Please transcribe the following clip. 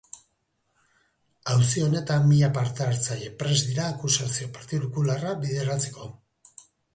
Auzi honetan mila partehartzaile prest dira akusazio partikularra bideratzeko.